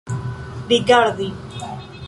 rigardi